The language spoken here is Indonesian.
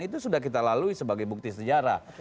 itu sudah kita lalui sebagai bukti sejarah